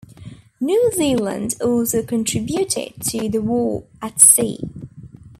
New Zealand also contributed to the war at sea.